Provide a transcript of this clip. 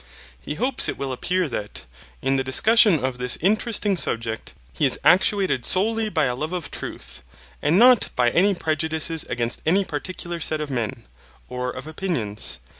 He hopes it will appear that, in the discussion of this interesting subject, he is actuated solely by a love of truth, and not by any prejudices against any particular set of men, or of opinions.